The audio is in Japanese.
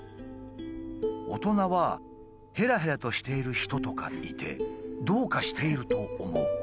「大人はへらへらとしている人とかいてどうかしていると思う」。